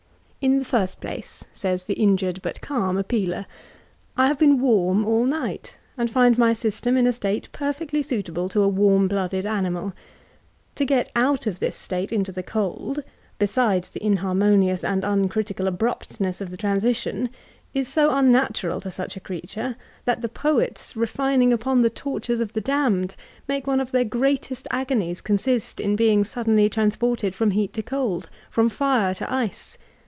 In the first place, says the injured but cabn appealer, I have been warm all n^t, and find my system in a state perfectly suitable to a warm blooded animaL To get out of this state into the cold, besides the inharmonious and uncritical abruptness of the transition, is so unnatural to such a creature, that the poets, refining upon the tortures of the damned, make one of their greatest agonies oonsbt in being suddenly tranqxxted firom heat to cold, — from fire to ice.